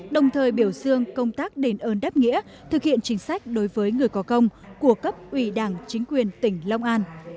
đồng thời biểu dương công tác đền ơn đáp nghĩa thực hiện chính sách đối với người có công của cấp ủy đảng chính quyền tỉnh long an